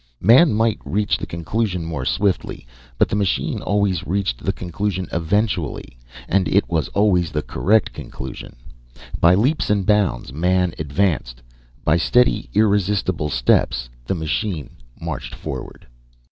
Man might reach the conclusion more swiftly, but the machine always reached the conclusion eventually, and it was always the correct conclusion. By leaps and bounds man advanced. By steady, irresistible steps the machine marched forward.